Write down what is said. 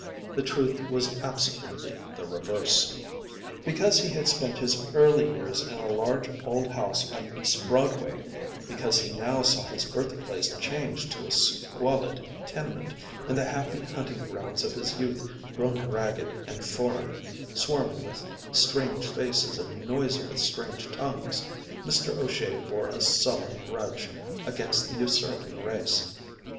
The truth was absolutely the reverse. Because he had spent his early years in a large old house on East Broadway, because he now saw his birthplace changed to a squalid tenement, and the happy hunting grounds of his youth grown ragged and foreign swarming with strange faces and noisy with strange tongues Mr. O'Shea bore a sullen grudge against the usurping race.